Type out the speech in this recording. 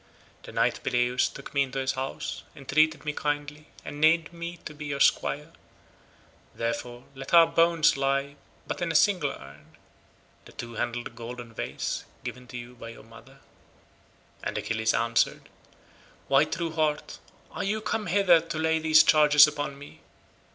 The knight Peleus took me into his house, entreated me kindly, and named me to be your squire; therefore let our bones lie in but a single urn, the two handled golden vase given to you by your mother." And Achilles answered, "Why, true heart, are you come hither to lay these charges upon me?